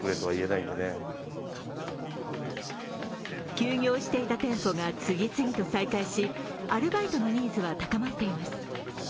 休業していた店舗が次々と再開しアルバイトのニーズは高まっています。